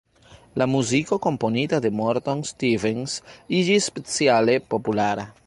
La muziko komponita de Morton Stevens iĝis speciale populara.